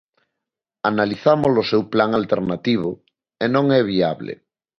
Analizamos o seu plan alternativo, e non é viable.